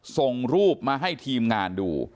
ส่งรูปมาให้ทีมงานดู